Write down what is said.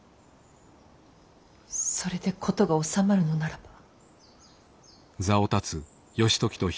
それで事が収まるのならば。